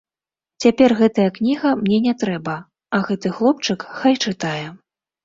Цяпер гэтая кніга мне не трэба, а гэты хлопчык хай чытае.